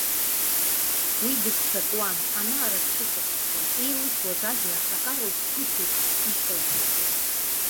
Уи дыццакуан, ана-ара дцәыҵаххуан, еилысуаз ажәлар акарл қәыц еиԥш ишьклаҳәуан.